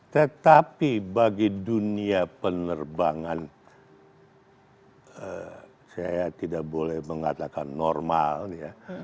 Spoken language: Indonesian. tetapi bagi dunia penerbangan saya tidak boleh mengatakan normal ya